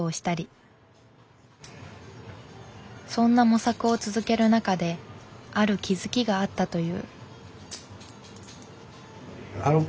そんな模索を続ける中である気付きがあったという。